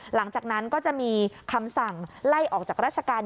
หลังจากนั้นก็จะมีคำสั่งไล่ออกจากราชการ